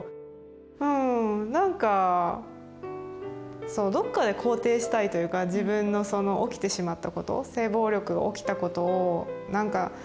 うんなんかそうどっかで肯定したいというか自分のその起きてしまったこと性暴力が起きたことをなんか。